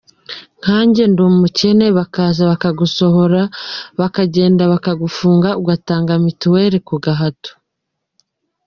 Nka njye ndi umukene bakaza bakagusohora bakagenda bakagufunga ugatanga miteli ku gahato.